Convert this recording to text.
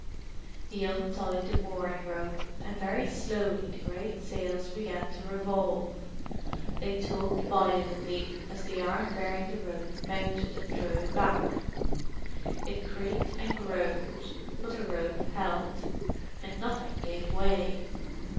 He untied the mooring rope, and very slowly the great sails began to revolve. They tugged violently as the arm bearing the rope mounted, and drew it back; it creaked and groaned, but the rope held, and nothing gave way.